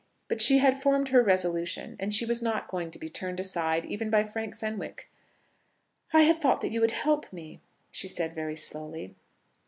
But she had formed her resolution, and she was not going to be turned aside, even by Frank Fenwick; "I had thought that you would help me," she said, very slowly.